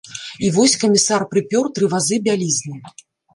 І вось камісар прыпёр тры вазы бялізны.